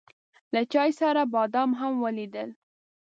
له چای سره بادام هم وليدل.